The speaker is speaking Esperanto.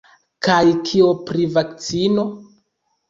Kaj kio pri vakcino?